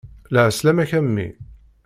Lɛeslama-k a mmi.